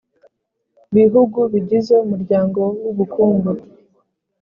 bihugu bigize Umuryango w Ubukungu